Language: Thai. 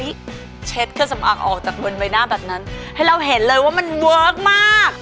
เช็ดเครื่องสำอางออกจากบนใบหน้าแบบนั้นให้เราเห็นเลยว่ามันเวิร์คมาก